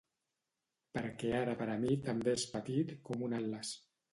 Perquè ara per a mi també és petit com un atles.